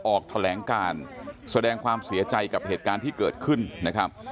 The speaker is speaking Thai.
ออกแถลงการแสดงความเสียใจกับเหตุการณ์ที่เกิดขึ้นนะครับ